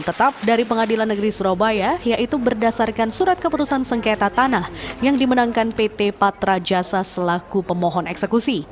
tetap dari pengadilan negeri surabaya yaitu berdasarkan surat keputusan sengketa tanah yang dimenangkan pt patra jasa selaku pemohon eksekusi